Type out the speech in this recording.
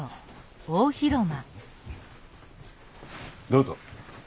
どうぞ。